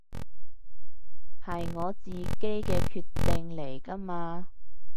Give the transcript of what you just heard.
係我自己嘅決定嚟㗎嘛